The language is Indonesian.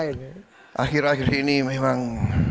akhir akhir ini memang